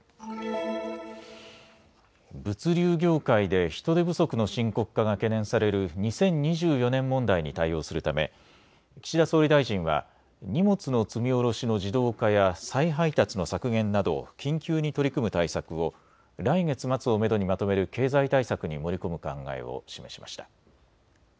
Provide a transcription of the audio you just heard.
物流業界で人手不足の深刻化が懸念される２０２４年問題に対応するため、岸田総理大臣は荷物の積み降ろしの自動化や再配達の削減など緊急に取り組む対策を来月末をめどにまとめる経済対策に盛り込む考えを示しました。